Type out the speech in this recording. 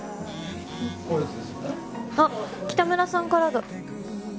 あっ北村さんからだ。